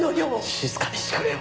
静かにしてくれよ。